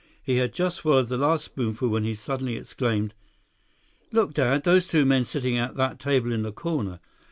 He had just swallowed the last spoonful when he suddenly exclaimed: "Look, Dad! Those two men sitting at that table in the corner!